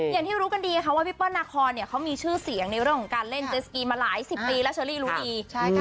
อย่างที่รู้กันดีค่ะว่าพี่เปิ้ลนาคอนเขามีชื่อเสียงในเรื่องของการเล่นเจสกีมาหลายสิบปีแล้วเชอรี่รู้ดี